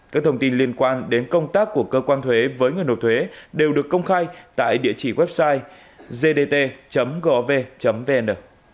các thông tin liên quan đến công tác của cơ quan thuế với người nộp thuế đều được công khai tại địa chỉ website gdt gov vn